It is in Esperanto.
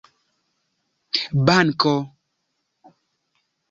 banko